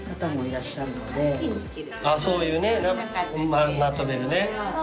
そういうねまとめるね。